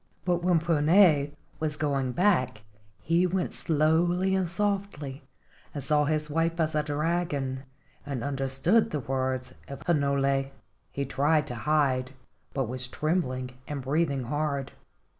But when Puna was going back he went slowly and softly, and saw his wife as a dragon, and understood the words of Hinole. He tried to hide, but was trembling and breathing hard.